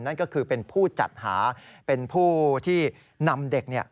นั่นก็คือเป็นผู้จัดหาเป็นผู้ที่นำเด็ก